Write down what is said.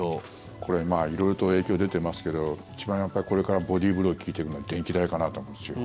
これ、色々と影響出てますけど一番これからボディーブロー効いてくるのは電気代かなと思うんですよ。